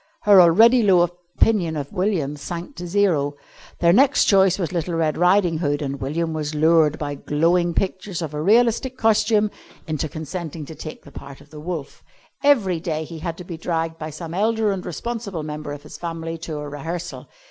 Her already low opinion of William sank to zero. Their next choice was little Red Riding Hood, and William was lured, by glowing pictures of a realistic costume, into consenting to take the part of the Wolf. Every day he had to be dragged by some elder and responsible member of his family to a rehearsal.